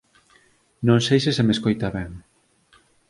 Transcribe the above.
Non sei se se me escoita ben.